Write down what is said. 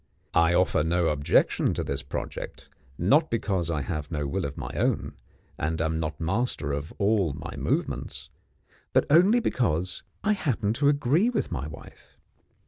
I offer no objection to this project not because I have no will of my own, and am not master of all my movements but only because I happen to agree with my wife.